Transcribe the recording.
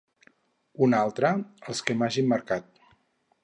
Una altra, els que m'hagin marcat.